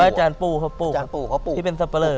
อาจารย์ปลูกพ่อปลูกที่เป็นซัปเปอร์เลอร์